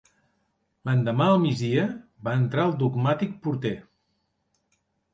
L'endemà al migdia, va entrar el dogmàtic porter